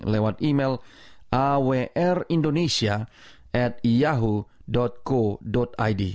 lewat email awrindonesia at yahoo co id